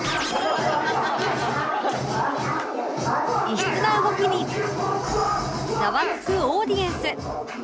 異質な動きにざわつくオーディエンス